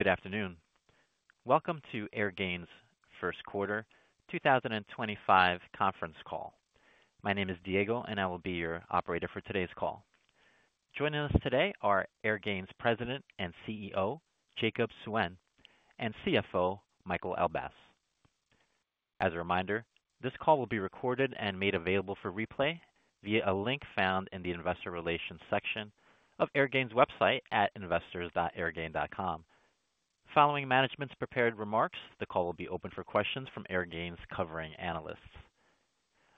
Good afternoon. Welcome to Airgain's first quarter 2025 conference call. My name is Diego, and I will be your operator for today's call. Joining us today are Airgain's President and CEO, Jacob Suen, and CFO, Michael Elbaz. As a reminder, this call will be recorded and made available for replay via a link found in the investor relations section of Airgain's website at investors.airgain.com. Following management's prepared remarks, the call will be open for questions from Airgain's covering analysts.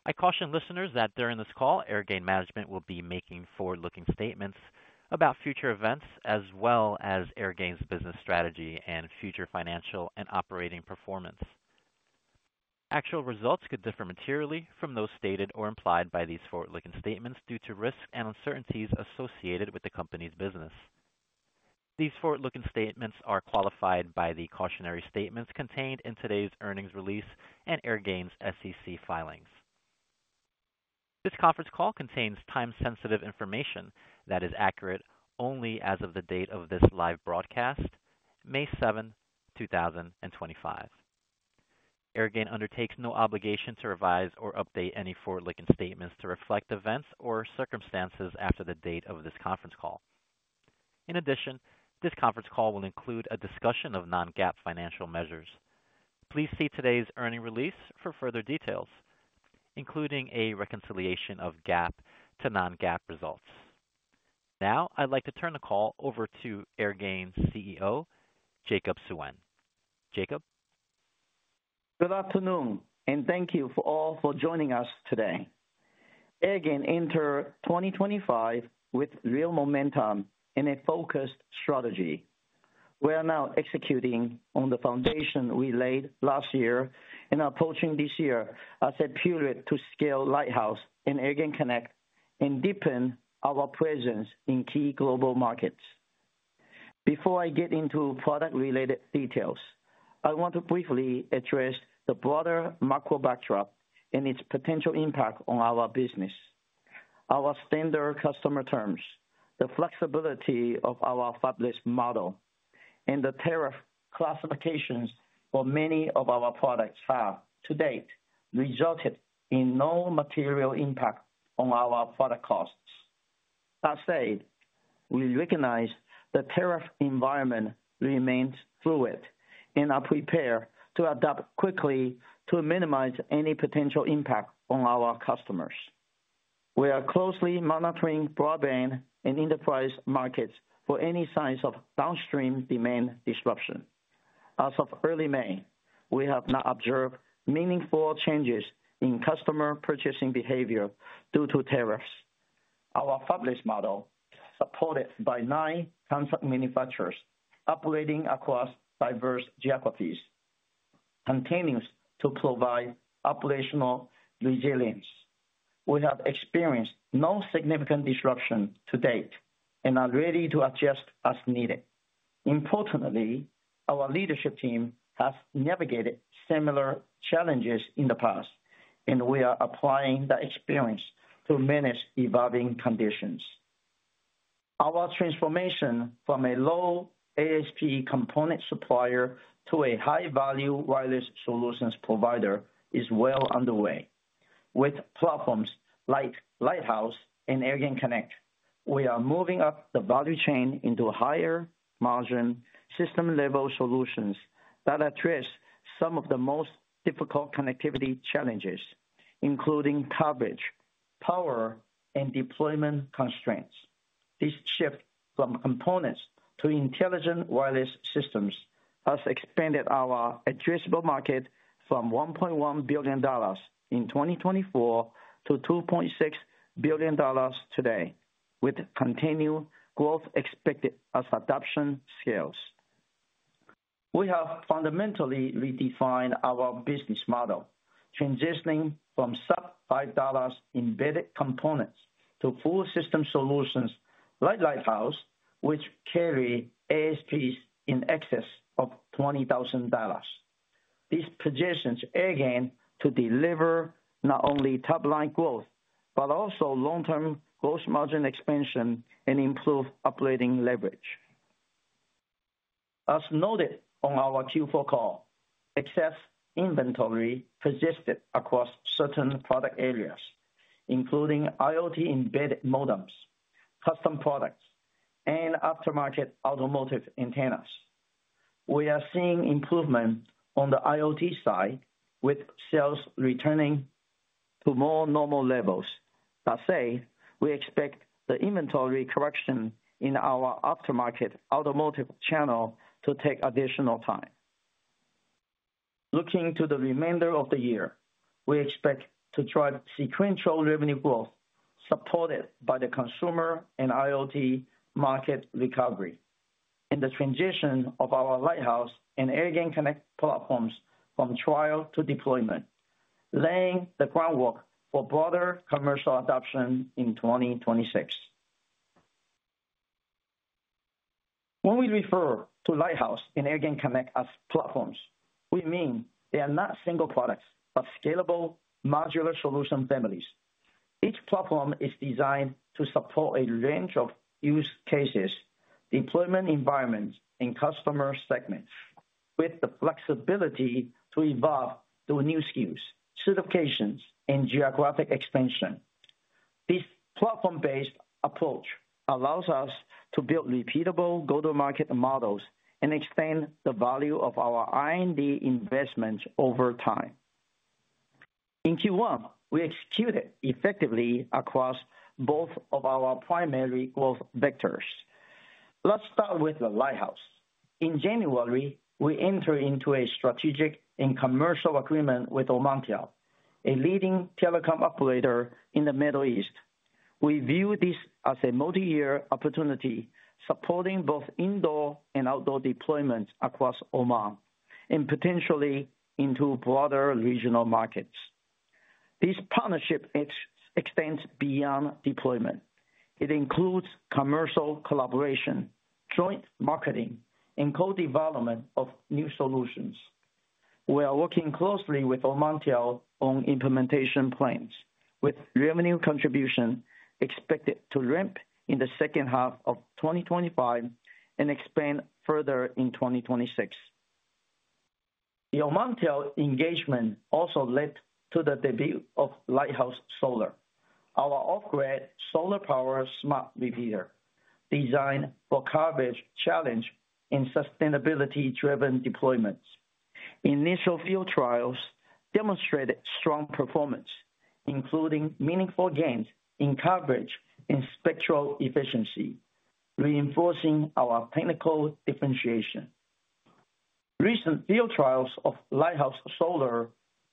I caution listeners that during this call, Airgain management will be making forward-looking statements about future events as well as Airgain's business strategy and future financial and operating performance. Actual results could differ materially from those stated or implied by these forward-looking statements due to risks and uncertainties associated with the company's business. These forward-looking statements are qualified by the cautionary statements contained in today's earnings release and Airgain's SEC filings. This conference call contains time-sensitive information that is accurate only as of the date of this live broadcast, May 7, 2025. Airgain undertakes no obligation to revise or update any forward-looking statements to reflect events or circumstances after the date of this conference call. In addition, this conference call will include a discussion of non-GAAP financial measures. Please see today's earnings release for further details, including a reconciliation of GAAP to non-GAAP results. Now, I'd like to turn the call over to Airgain's CEO, Jacob Suen. Jacob? Good afternoon, and thank you all for joining us today. Airgain entered 2025 with real momentum and a focused strategy. We are now executing on the foundation we laid last year and are approaching this year as a pivot to scale Lighthouse and Airgain Connect and deepen our presence in key global markets. Before I get into product-related details, I want to briefly address the broader macro backdrop and its potential impact on our business. Our standard customer terms, the flexibility of our fabless model, and the tariff classifications for many of our products have to date resulted in no material impact on our product costs. That said, we recognize the tariff environment remains fluid and are prepared to adapt quickly to minimize any potential impact on our customers. We are closely monitoring broadband and enterprise markets for any signs of downstream demand disruption. As of early May, we have not observed meaningful changes in customer purchasing behavior due to tariffs. Our fabless model, supported by nine contract manufacturers operating across diverse geographies, continues to provide operational resilience. We have experienced no significant disruption to date and are ready to adjust as needed. Importantly, our leadership team has navigated similar challenges in the past, and we are applying that experience to manage evolving conditions. Our transformation from a low ASP component supplier to a high-value wireless solutions provider is well underway. With platforms like Lighthouse and Airgain Connect, we are moving up the value chain into higher-margin system-level solutions that address some of the most difficult connectivity challenges, including coverage, power, and deployment constraints. This shift from components to intelligent wireless systems has expanded our addressable market from $1.1 billion in 2024 to $2.6 billion today, with continued growth expected as adoption scales. We have fundamentally redefined our business model, transitioning from sub-$5 embedded components to full-system solutions like Lighthouse, which carry ASPs in excess of $20,000. This positions Airgain to deliver not only top-line growth but also long-term gross margin expansion and improved operating leverage. As noted on our Q4 call, excess inventory persisted across certain product areas, including IoT embedded modems, custom products, and aftermarket automotive antennas. We are seeing improvement on the IoT side, with sales returning to more normal levels. That said, we expect the inventory correction in our aftermarket automotive channel to take additional time. Looking to the remainder of the year, we expect to drive sequential revenue growth supported by the consumer and IoT market recovery and the transition of our Lighthouse and Airgain Connect platforms from trial to deployment, laying the groundwork for broader commercial adoption in 2026. When we refer to Lighthouse and Airgain Connect as platforms, we mean they are not single products but scalable modular solution families. Each platform is designed to support a range of use cases, deployment environments, and customer segments, with the flexibility to evolve through new skills, certifications, and geographic expansion. This platform-based approach allows us to build repeatable go-to-market models and extend the value of our R&D investments over time. In Q1, we executed effectively across both of our primary growth vectors. Let's start with the Lighthouse. In January, we entered into a strategic and commercial agreement with Omantel, a leading telecom operator in the Middle East. We view this as a multi-year opportunity supporting both indoor and outdoor deployments across Oman and potentially into broader regional markets. This partnership extends beyond deployment. It includes commercial collaboration, joint marketing, and co-development of new solutions. We are working closely with Omantel on implementation plans, with revenue contribution expected to ramp in the second half of 2025 and expand further in 2026. The Omantel engagement also led to the debut of Lighthouse Solar, our off-grid solar power smart repeater designed for coverage challenge and sustainability-driven deployments. Initial field trials demonstrated strong performance, including meaningful gains in coverage and spectral efficiency, reinforcing our technical differentiation. Recent field trials of Lighthouse Solar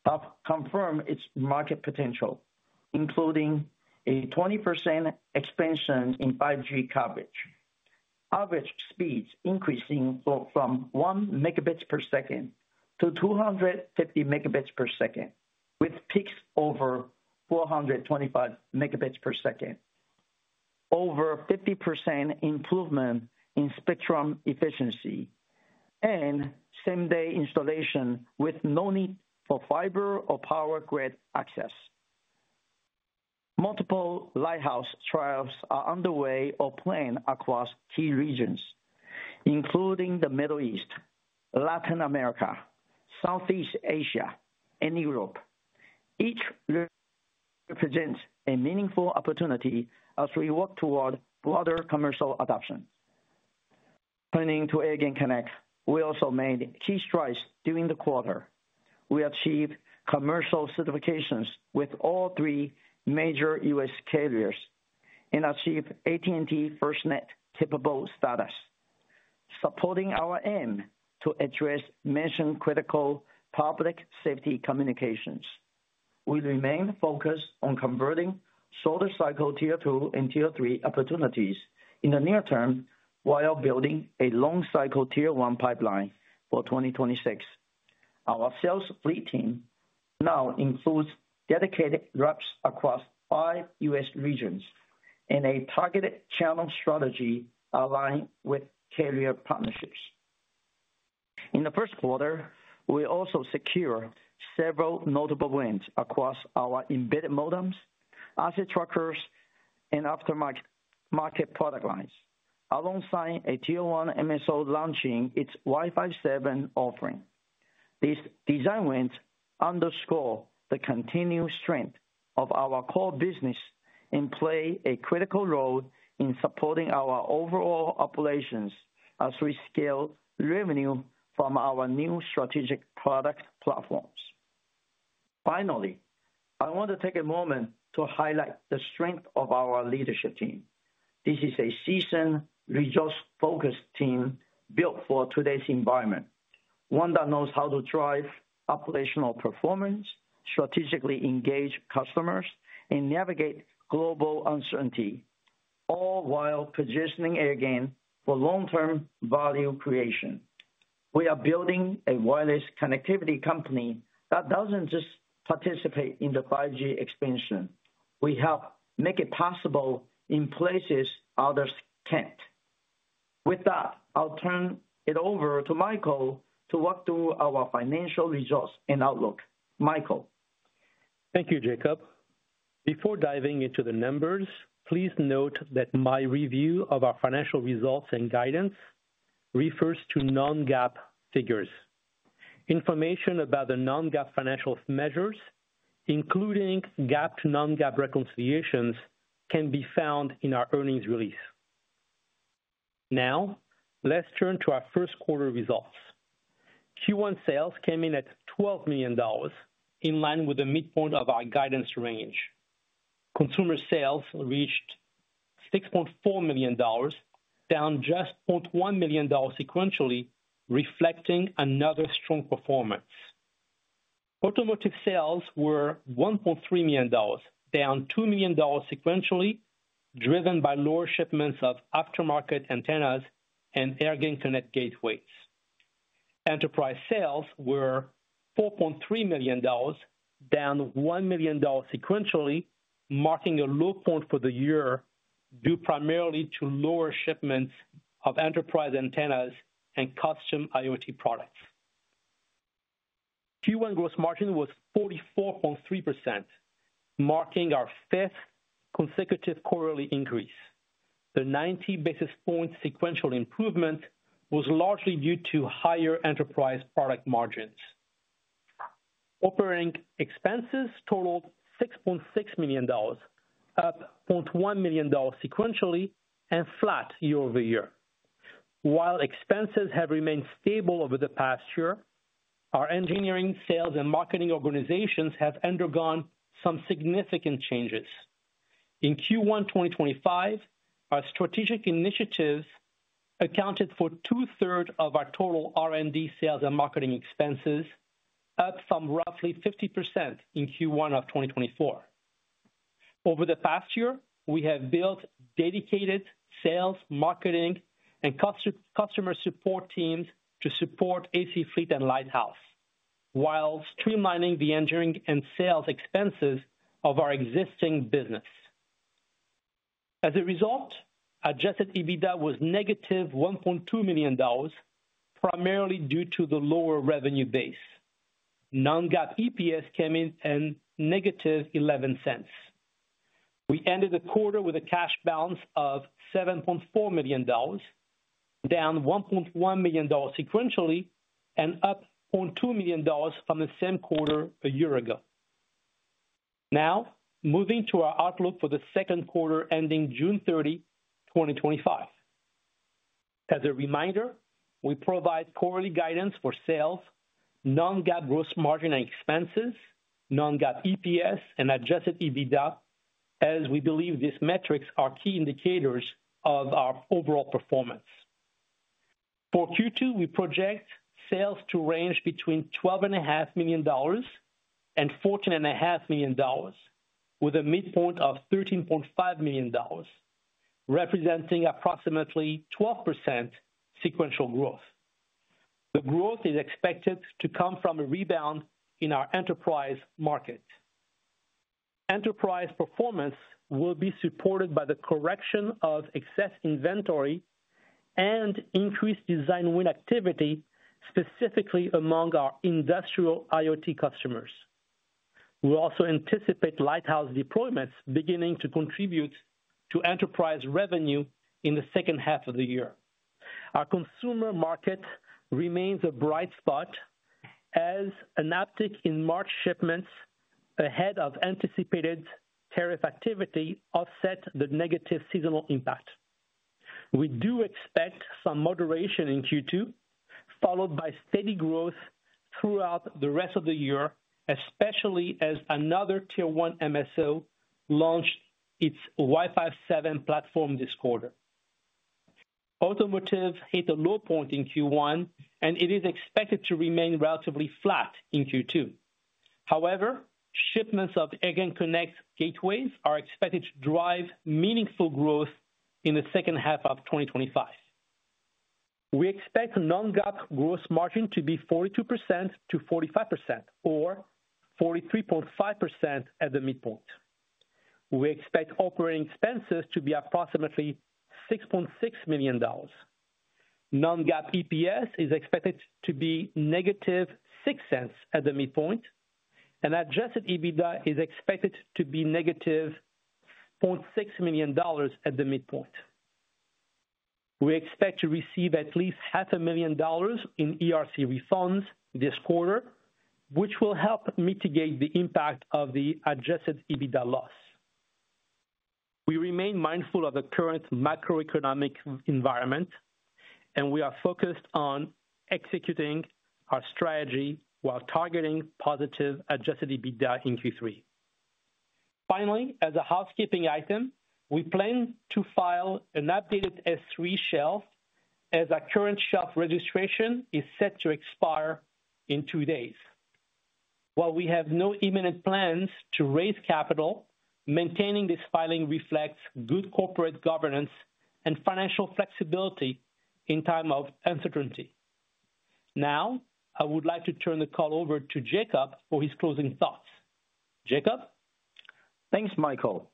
have confirmed its market potential, including a 20% expansion in 5G coverage, average speeds increasing from 1 Mb per second to 250 Mb per second, with peaks over 425 Mb per second, over 50% improvement in spectrum efficiency, and same-day installation with no need for fiber or power grid access. Multiple Lighthouse trials are underway or planned across key regions, including the Middle East, Latin America, Southeast Asia, and Europe. Each represents a meaningful opportunity as we work toward broader commercial adoption. Turning to Airgain Connect, we also made key strides during the quarter. We achieved commercial certifications with all three major US carriers and achieved AT&T FirstNet capable status, supporting our aim to address mission-critical public safety communications. We remain focused on converting solar cycle tier two and tier three opportunities in the near term while building a long cycle tier one pipeline for 2026. Our sales fleet team now includes dedicated reps across five US regions and a targeted channel strategy aligned with carrier partnerships. In the first quarter, we also secured several notable wins across our embedded modems, asset trackers, and aftermarket product lines, alongside a tier one MSO launching its Wi-Fi 7 offering. These design wins underscore the continued strength of our core business and play a critical role in supporting our overall operations as we scale revenue from our new strategic product platforms. Finally, I want to take a moment to highlight the strength of our leadership team. This is a seasoned, resource-focused team built for today's environment, one that knows how to drive operational performance, strategically engage customers, and navigate global uncertainty, all while positioning Airgain for long-term value creation. We are building a wireless connectivity company that does not just participate in the 5G expansion. We help make it possible in places others cannot. With that, I will turn it over to Michael to walk through our financial results and outlook. Michael. Thank you, Jacob. Before diving into the numbers, please note that my review of our financial results and guidance refers to non-GAAP figures. Information about the non-GAAP financial measures, including GAAP to non-GAAP reconciliations, can be found in our earnings release. Now, let's turn to our first quarter results. Q1 sales came in at $12 million, in line with the midpoint of our guidance range. Consumer sales reached $6.4 million, down just $0.1 million sequentially, reflecting another strong performance. Automotive sales were $1.3 million, down $2 million sequentially, driven by lower shipments of aftermarket antennas and Airgain Connect gateways. Enterprise sales were $4.3 million, down $1 million sequentially, marking a low point for the year due primarily to lower shipments of enterprise antennas and custom IoT products. Q1 gross margin was 44.3%, marking our fifth consecutive quarterly increase. The 90 basis points sequential improvement was largely due to higher enterprise product margins. Operating expenses totaled $6.6 million, up $0.1 million sequentially and flat year over year. While expenses have remained stable over the past year, our engineering, sales, and marketing organizations have undergone some significant changes. In Q1 2025, our strategic initiatives accounted for two-thirds of our total R&D sales and marketing expenses, up from roughly 50% in Q1 of 2024. Over the past year, we have built dedicated sales, marketing, and customer support teams to support AC-Fleet and Lighthouse, while streamlining the engineering and sales expenses of our existing business. As a result, adjusted EBITDA was -$1.2 million, primarily due to the lower revenue base. Non-GAAP EPS came in at -$0.11. We ended the quarter with a cash balance of $7.4 million, down $1.1 million sequentially, and up $0.2 million from the same quarter a year ago. Now, moving to our outlook for the second quarter ending June 30, 2025. As a reminder, we provide quarterly guidance for sales, non-GAAP gross margin and expenses, non-GAAP EPS, and adjusted EBITDA, as we believe these metrics are key indicators of our overall performance. For Q2, we project sales to range between $12.5 million and $14.5 million, with a midpoint of $13.5 million, representing approximately 12% sequential growth. The growth is expected to come from a rebound in our enterprise market. Enterprise performance will be supported by the correction of excess inventory and increased design win activity, specifically among our industrial IoT customers. We also anticipate Lighthouse deployments beginning to contribute to enterprise revenue in the second half of the year. Our consumer market remains a bright spot, as an uptick in March shipments ahead of anticipated tariff activity offsets the negative seasonal impact. We do expect some moderation in Q2, followed by steady growth throughout the rest of the year, especially as another tier one MSO launched its Wi-Fi 7 platform this quarter. Automotive hit a low point in Q1, and it is expected to remain relatively flat in Q2. However, shipments of Airgain Connect gateways are expected to drive meaningful growth in the second half of 2025. We expect non-GAAP gross margin to be 42%-45%, or 43.5% at the midpoint. We expect operating expenses to be approximately $6.6 million. Non-GAAP EPS is expected to be negative $0.06 at the midpoint, and adjusted EBITDA is expected to be negative $0.6 million at the midpoint. We expect to receive at least $500,000 in ERC refunds this quarter, which will help mitigate the impact of the adjusted EBITDA loss. We remain mindful of the current macroeconomic environment, and we are focused on executing our strategy while targeting positive adjusted EBITDA in Q3. Finally, as a housekeeping item, we plan to file an updated S3 shelf as our current shelf registration is set to expire in two days. While we have no imminent plans to raise capital, maintaining this filing reflects good corporate governance and financial flexibility in times of uncertainty. Now, I would like to turn the call over to Jacob for his closing thoughts. Jacob? Thanks, Michael.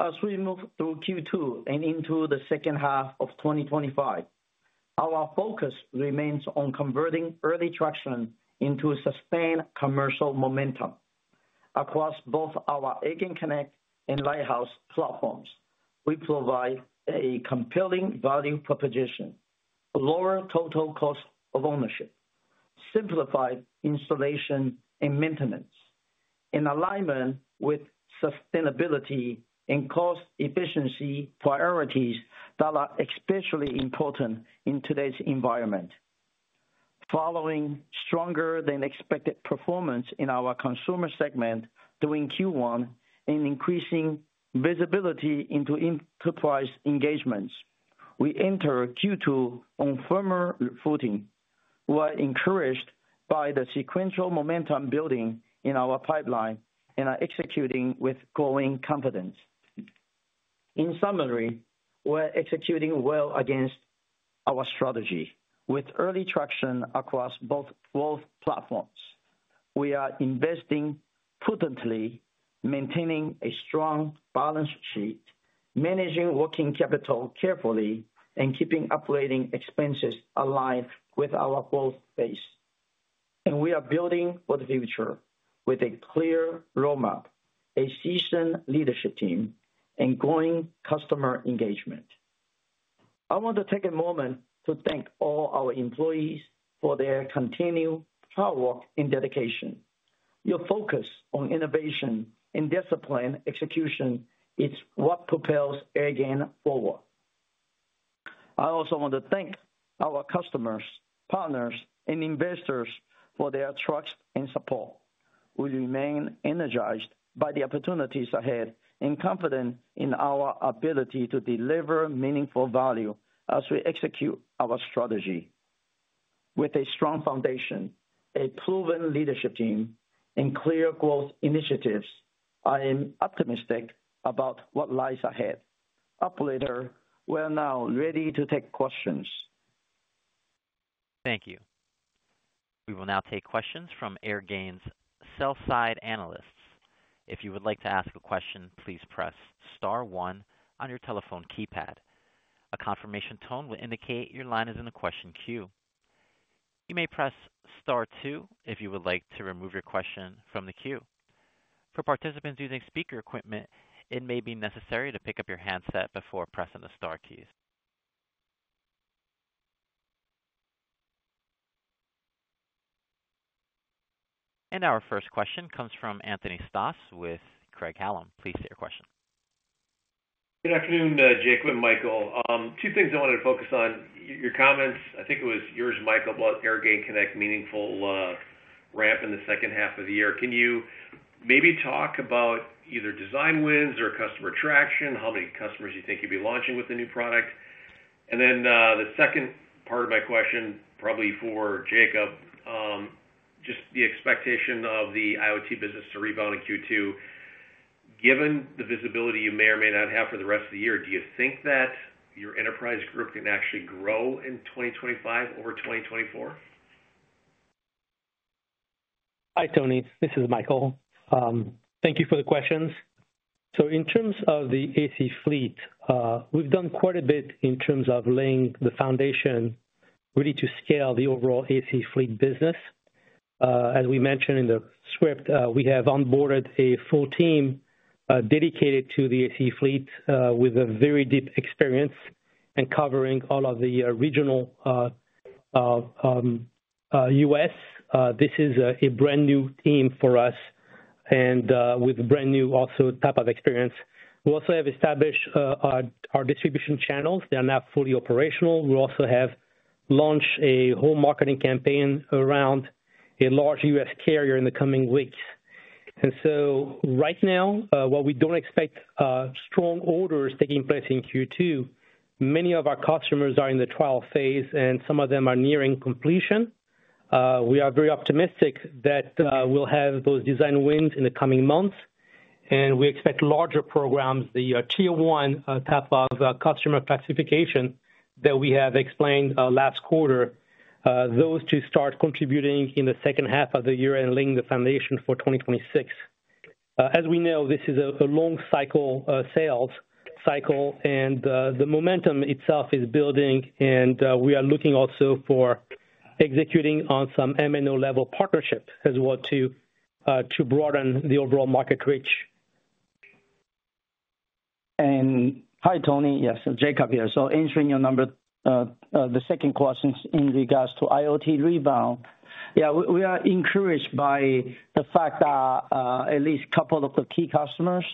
As we move through Q2 and into the second half of 2025, our focus remains on converting early traction into sustained commercial momentum. Across both our Airgain Connect and Lighthouse platforms, we provide a compelling value proposition: lower total cost of ownership, simplified installation and maintenance, in alignment with sustainability and cost efficiency priorities that are especially important in today's environment. Following stronger-than-expected performance in our consumer segment during Q1 and increasing visibility into enterprise engagements, we enter Q2 on firmer footing, while encouraged by the sequential momentum building in our pipeline and executing with growing confidence. In summary, we're executing well against our strategy with early traction across both platforms. We are investing prudently, maintaining a strong balance sheet, managing working capital carefully, and keeping operating expenses aligned with our growth pace. We are building for the future with a clear roadmap, a seasoned leadership team, and growing customer engagement. I want to take a moment to thank all our employees for their continued hard work and dedication. Your focus on innovation and disciplined execution is what propels Airgain forward. I also want to thank our customers, partners, and investors for their trust and support. We remain energized by the opportunities ahead and confident in our ability to deliver meaningful value as we execute our strategy. With a strong foundation, a proven leadership team, and clear growth initiatives, I am optimistic about what lies ahead. Operator, we're now ready to take questions. Thank you. We will now take questions from Airgain's sell-side analysts. If you would like to ask a question, please press Star one on your telephone keypad. A confirmation tone will indicate your line is in the question queue. You may press Star two if you would like to remove your question from the queue. For participants using speaker equipment, it may be necessary to pick up your handset before pressing the Star keys. Our first question comes from Anthony Stoss with Craig-Hallum. Please state your question. Good afternoon, Jacob and Michael. Two things I wanted to focus on. Your comments, I think it was yours, Michael, about Airgain Connect's meaningful ramp in the second half of the year. Can you maybe talk about either design wins or customer traction, how many customers you think you'll be launching with the new product? The second part of my question, probably for Jacob, just the expectation of the IoT business to rebound in Q2. Given the visibility you may or may not have for the rest of the year, do you think that your enterprise group can actually grow in 2025 over 2024? Hi, Tony. This is Michael. Thank you for the questions. In terms of the AC-Fleet, we've done quite a bit in terms of laying the foundation ready to scale the overall AC-Fleet business. As we mentioned in the script, we have onboarded a full team dedicated to the AC-Fleet with very deep experience and covering all of the regional U.S. This is a brand new team for us and with brand new also type of experience. We also have established our distribution channels. They are now fully operational. We also have launched a whole marketing campaign around a large U.S. carrier in the coming weeks. Right now, while we don't expect strong orders taking place in Q2, many of our customers are in the trial phase and some of them are nearing completion. We are very optimistic that we'll have those design wins in the coming months, and we expect larger programs, the tier one type of customer classification that we have explained last quarter, those to start contributing in the second half of the year and laying the foundation for 2026. As we know, this is a long cycle sales cycle, and the momentum itself is building, and we are looking also for executing on some MNO level partnership as well to broaden the overall market reach. Hi, Tony. Yes, Jacob here. Answering your second question in regards to IoT rebound, we are encouraged by the fact that at least a couple of the key customers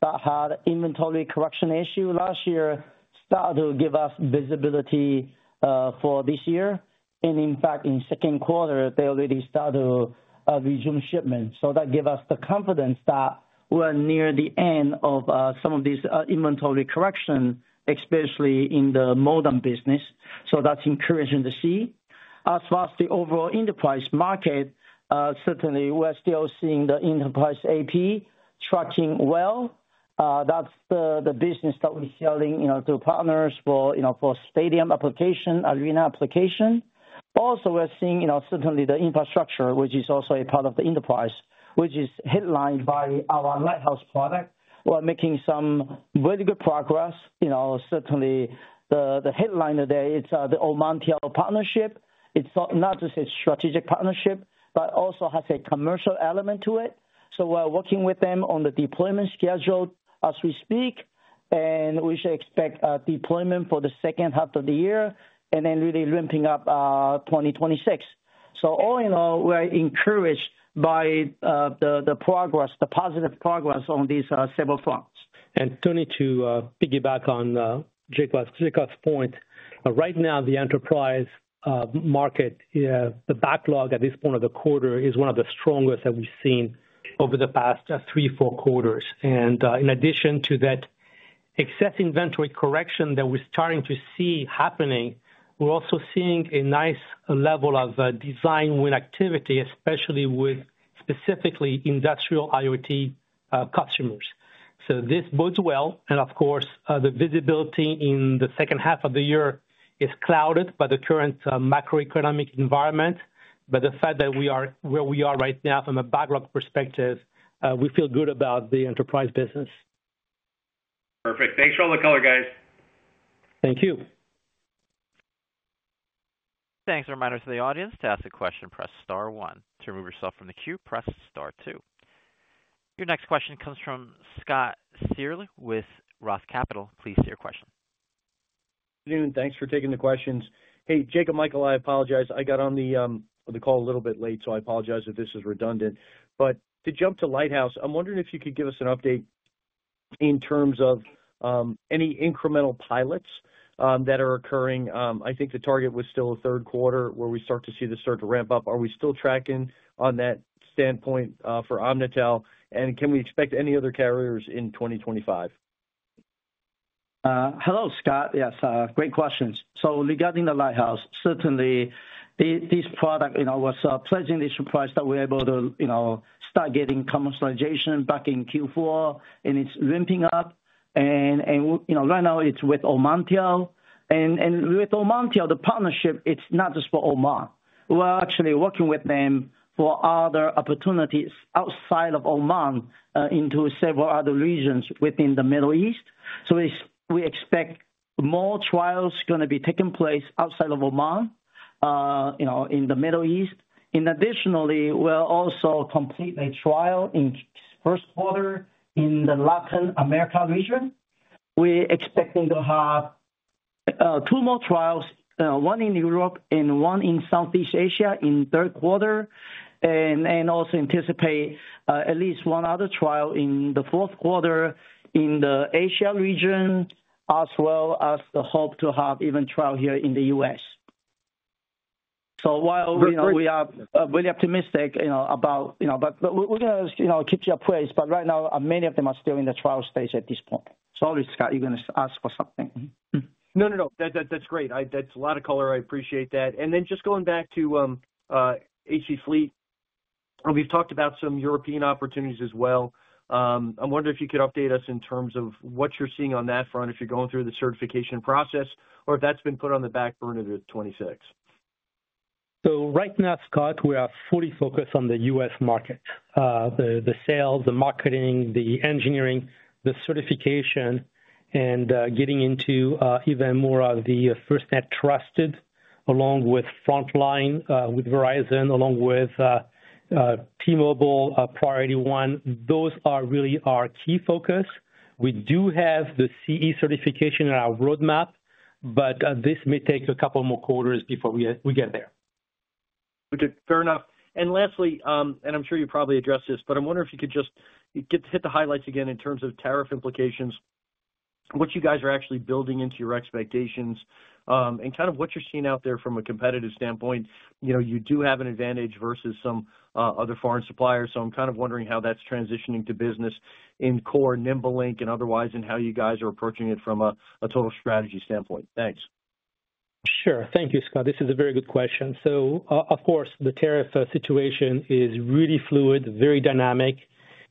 that had inventory correction issues last year started to give us visibility for this year. In fact, in the second quarter, they already started to resume shipment. That gives us the confidence that we are near the end of some of these inventory corrections, especially in the modem business. That is encouraging to see. As far as the overall enterprise market, we are still seeing the enterprise AP tracking well. That is the business that we are selling to partners for stadium application, arena application. We are also seeing the infrastructure, which is also a part of the enterprise, which is headlined by our Lighthouse product. We are making some very good progress. Certainly, the headline today is the Omantel partnership. It's not just a strategic partnership, but also has a commercial element to it. So we're working with them on the deployment schedule as we speak, and we should expect deployment for the second half of the year and then really ramping up 2026. So all in all, we're encouraged by the progress, the positive progress on these several fronts. To piggyback on Jacob's point, right now, the enterprise market, the backlog at this point of the quarter is one of the strongest that we've seen over the past three, four quarters. In addition to that excess inventory correction that we're starting to see happening, we're also seeing a nice level of design win activity, especially with specifically industrial IoT customers. This bodes well. Of course, the visibility in the second half of the year is clouded by the current macroeconomic environment, but the fact that we are where we are right now from a backlog perspective, we feel good about the enterprise business. Perfect. Thanks for all the color, guys. Thank you. Thanks. A reminder to the audience to ask a question, press Star one. To remove yourself from the queue, press Star two. Your next question comes from Scott Searle with Roth Capital. Please state your question. Good afternoon. Thanks for taking the questions. Hey, Jacob, Michael, I apologize. I got on the call a little bit late, so I apologize if this is redundant. To jump to Lighthouse, I'm wondering if you could give us an update in terms of any incremental pilots that are occurring. I think the target was still a third quarter where we start to see this start to ramp up. Are we still tracking on that standpoint for Omantel? Can we expect any other carriers in 2025? Hello, Scott. Yes, great questions. Regarding the Lighthouse, certainly this product was pleasingly surprised that we're able to start getting commercialization back in Q4, and it's ramping up. Right now, it's with Omantel. With Omantel, the partnership, it's not just for Oman. We're actually working with them for other opportunities outside of Oman into several other regions within the Middle East. We expect more trials going to be taking place outside of Oman in the Middle East. Additionally, we're also completing a trial in first quarter in the Latin America region. We're expecting to have two more trials, one in Europe and one in Southeast Asia in third quarter, and also anticipate at least one other trial in the fourth quarter in the Asia region, as well as the hope to have even a trial here in the U.S. While we are really optimistic about, but we're going to keep you up close, but right now, many of them are still in the trial stage at this point. Sorry, Scott, you're going to ask for something. No, no, no. That's great. That's a lot of color. I appreciate that. And then just going back to AC-Fleet, we've talked about some European opportunities as well. I'm wondering if you could update us in terms of what you're seeing on that front if you're going through the certification process or if that's been put on the back burner to 2026. Right now, Scott, we are fully focused on the U.S. market, the sales, the marketing, the engineering, the certification, and getting into even more of the FirstNet Trusted along with Frontline with Verizon, along with T-Mobile Priority One. Those are really our key focus. We do have the CE certification in our roadmap, but this may take a couple more quarters before we get there. Okay. Fair enough. Lastly, and I'm sure you probably addressed this, but I'm wondering if you could just hit the highlights again in terms of tariff implications, what you guys are actually building into your expectations, and kind of what you're seeing out there from a competitive standpoint. You do have an advantage versus some other foreign suppliers. I'm kind of wondering how that's transitioning to business in core NimbleLink and otherwise and how you guys are approaching it from a total strategy standpoint. Thanks. Sure. Thank you, Scott. This is a very good question. Of course, the tariff situation is really fluid, very dynamic,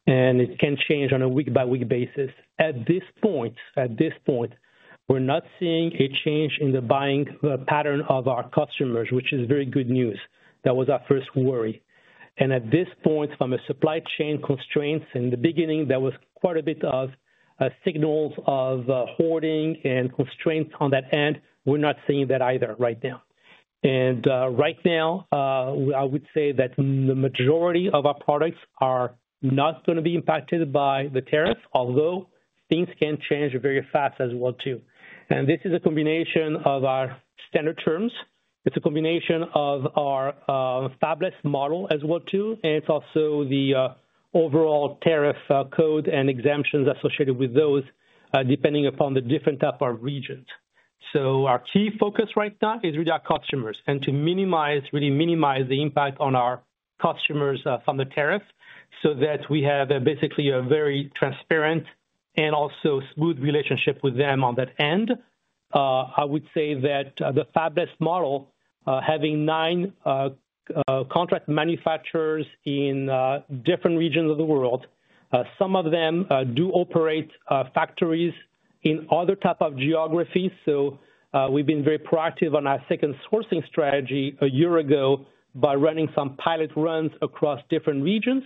and it can change on a week-by-week basis. At this point, we're not seeing a change in the buying pattern of our customers, which is very good news. That was our first worry. At this point, from a supply chain constraints in the beginning, there was quite a bit of signals of hoarding and constraints on that end. We're not seeing that either right now. Right now, I would say that the majority of our products are not going to be impacted by the tariffs, although things can change very fast as well too. This is a combination of our standard terms. It's a combination of our fabless model as well too, and it's also the overall tariff code and exemptions associated with those depending upon the different type of regions. Our key focus right now is really our customers and to minimize, really minimize the impact on our customers from the tariff so that we have basically a very transparent and also smooth relationship with them on that end. I would say that the fabless model having nine contract manufacturers in different regions of the world. Some of them do operate factories in other types of geographies. We have been very proactive on our second sourcing strategy a year ago by running some pilot runs across different regions.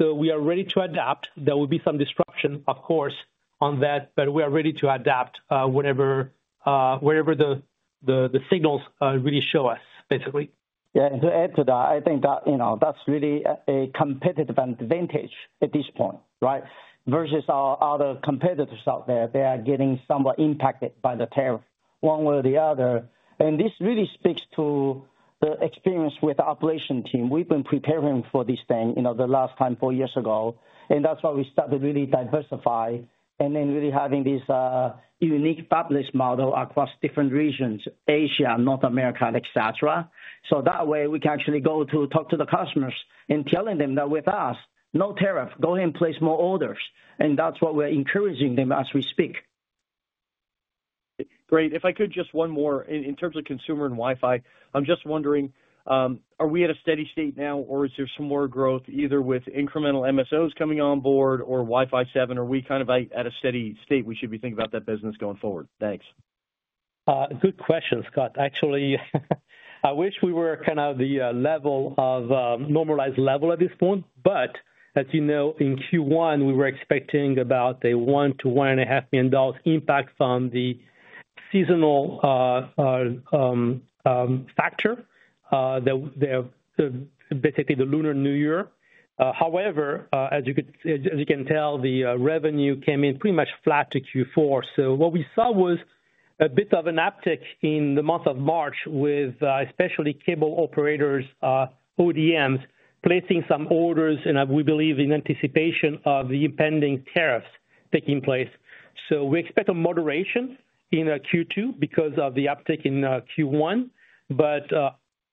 We are ready to adapt. There will be some disruption, of course, on that, but we are ready to adapt wherever the signals really show us, basically. Yeah. To add to that, I think that's really a competitive advantage at this point, right? Versus our other competitors out there, they are getting somewhat impacted by the tariff one way or the other. This really speaks to the experience with the operation team. We've been preparing for this thing the last time, four years ago, and that's why we started to really diversify and then really having this unique fabless model across different regions, Asia, North America, etc. That way, we can actually go to talk to the customers and tell them that with us, no tariff, go ahead and place more orders. That's what we're encouraging them as we speak. Great. If I could, just one more in terms of consumer and Wi-Fi. I'm just wondering, are we at a steady state now, or is there some more growth either with incremental MSOs coming on board or Wi-Fi 7, or are we kind of at a steady state we should be thinking about that business going forward? Thanks. Good question, Scott. Actually, I wish we were kind of at the level of normalized level at this point, but as you know, in Q1, we were expecting about a $1 million-$1.5 million impact from the seasonal factor, basically the Lunar New Year. However, as you can tell, the revenue came in pretty much flat to Q4. What we saw was a bit of an uptick in the month of March with especially cable operators, ODMs placing some orders, and we believe in anticipation of the impending tariffs taking place. We expect a moderation in Q2 because of the uptick in Q1.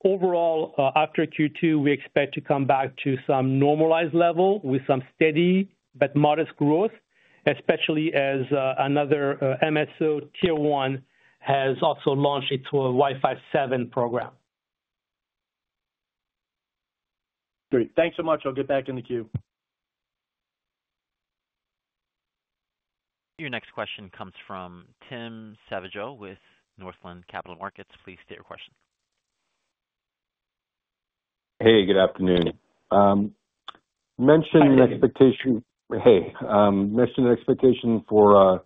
Overall, after Q2, we expect to come back to some normalized level with some steady but modest growth, especially as another MSO tier one has also launched its Wi-Fi 7 program. Great. Thanks so much. I'll get back in the queue. Your next question comes from Tim Savageaux with Northland Capital Markets. Please state your question. Hey, good afternoon. Mentioned expectation. Hey. Hey. Mentioned expectation for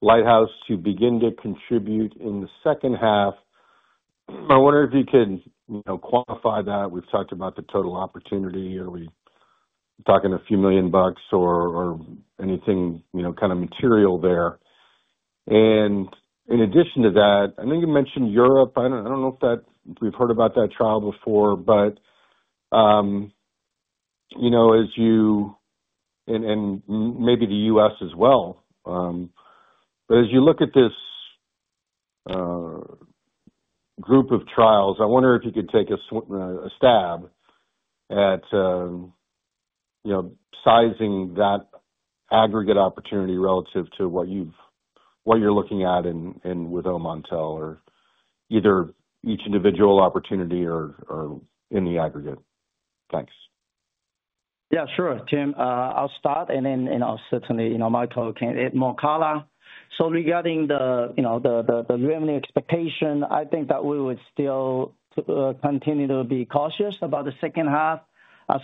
Lighthouse to begin to contribute in the second half. I wonder if you could quantify that. We've talked about the total opportunity. Are we talking a few million bucks or anything kind of material there? In addition to that, I know you mentioned Europe. I don't know if we've heard about that trial before, as you and maybe the U.S. as well. As you look at this group of trials, I wonder if you could take a stab at sizing that aggregate opportunity relative to what you're looking at with Omantel or either each individual opportunity or in the aggregate. Thanks. Yeah, sure, Tim. I'll start, and then certainly Michael can add more color. Regarding the revenue expectation, I think that we would still continue to be cautious about the second half. As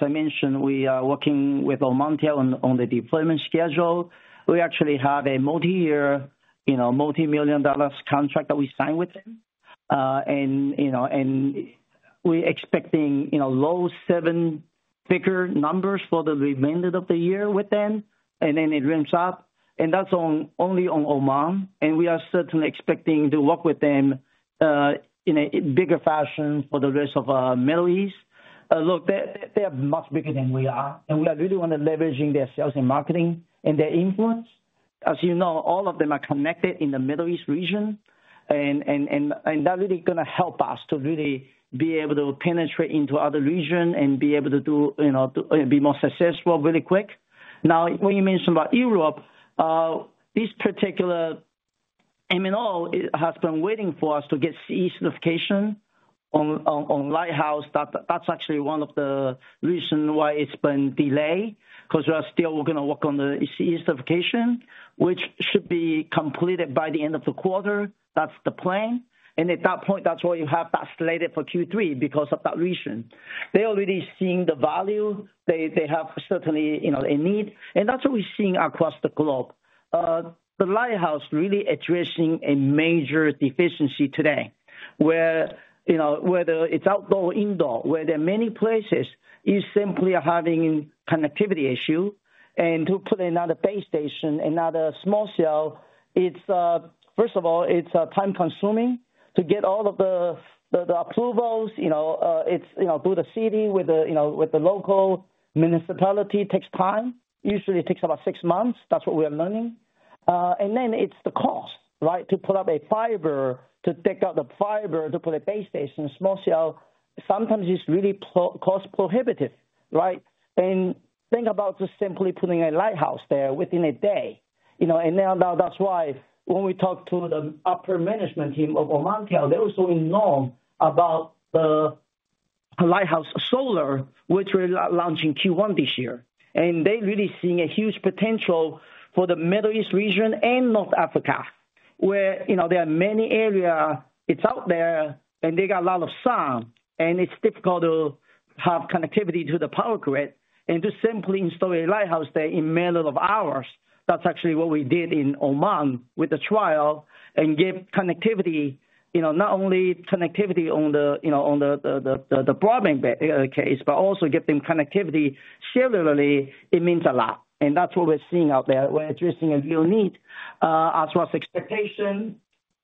I mentioned, we are working with Omantel on the deployment schedule. We actually have a multi-year, multi-million dollar contract that we signed with them. We're expecting low seven-figure numbers for the remainder of the year with them, and then it ramps up. That is only on Oman. We are certainly expecting to work with them in a bigger fashion for the rest of the Middle East. Look, they are much bigger than we are. We are really going to leverage their sales and marketing and their influence. As you know, all of them are connected in the Middle East region. That really is going to help us to really be able to penetrate into other regions and be able to be more successful really quick. Now, when you mentioned about Europe, this particular MNO has been waiting for us to get CE certification on Lighthouse. That is actually one of the reasons why it has been delayed because we are still going to work on the CE certification, which should be completed by the end of the quarter. That is the plan. At that point, that is why you have that slated for Q3 because of that reason. They are already seeing the value. They have certainly a need. That is what we are seeing across the globe. The Lighthouse really addressing a major deficiency today, whether it is outdoor or indoor, where there are many places you simply are having connectivity issues. To put another base station, another small cell, first of all, it's time-consuming to get all of the approvals. It's through the city with the local municipality. It takes time. Usually, it takes about six months. That's what we are learning. Then it's the cost, right, to put up a fiber, to take out the fiber, to put a base station, small cell. Sometimes it's really cost-prohibitive, right? Think about just simply putting a Lighthouse there within a day. That's why when we talk to the upper management team of Omantel, they're also in know about the Lighthouse Solar, which we're launching Q1 this year. They are really seeing a huge potential for the Middle East region and North Africa, where there are many areas that are out there, and they get a lot of sun, and it is difficult to have connectivity to the power grid. To simply install a Lighthouse there in a matter of hours, that is actually what we did in Oman with the trial, and give connectivity, not only connectivity on the broadband case, but also give them connectivity similarly, it means a lot. That is what we are seeing out there. We are addressing a real need as far as expectation.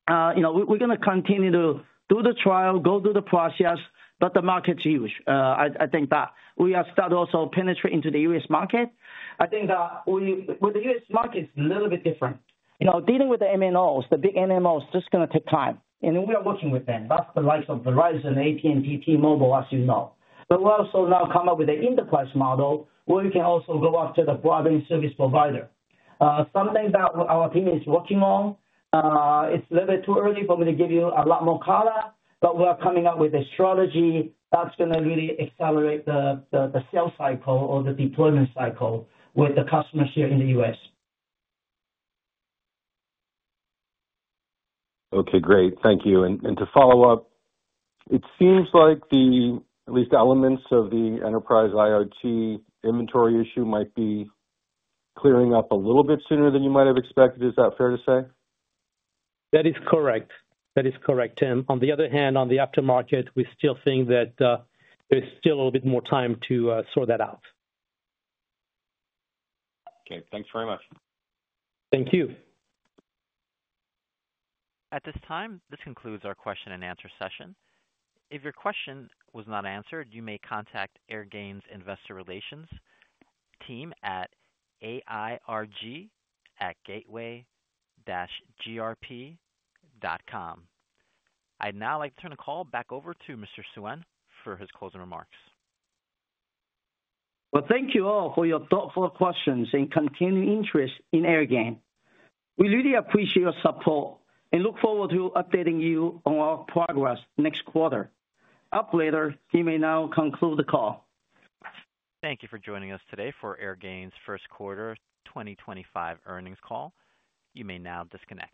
We are going to continue to do the trial, go through the process, but the market is huge. I think that we are starting also penetrating into the U.S. market. I think that with the U.S. market, it is a little bit different. Dealing with the MNOs, the big MNOs, it's just going to take time. We are working with them. That's the likes of Verizon, AT&T, T-Mobile, as you know. We also now come up with an enterprise model where we can also go after the broadband service provider. Something that our team is working on. It's a little bit too early for me to give you a lot more color, but we are coming up with a strategy that's going to really accelerate the sales cycle or the deployment cycle with the customers here in the U.S. Okay, great. Thank you. To follow up, it seems like at least elements of the enterprise IoT inventory issue might be clearing up a little bit sooner than you might have expected. Is that fair to say? That is correct. That is correct, Tim. On the other hand, on the aftermarket, we still think that there's still a little bit more time to sort that out. Okay. Thanks very much. Thank you. At this time, this concludes our question and answer session. If your question was not answered, you may contact Airgain's investor relations team at airg@gateway-grp.com. I'd now like to turn the call back over to Mr. Suen for his closing remarks. Thank you all for your thoughtful questions and continued interest in Airgain. We really appreciate your support and look forward to updating you on our progress next quarter. Up later, he may now conclude the call. Thank you for joining us today for Airgain's first quarter 2025 earnings call. You may now disconnect.